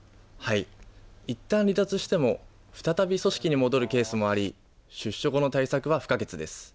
いったん離脱しても、再び組織に戻るケースもあり、出所後の対策は不可欠です。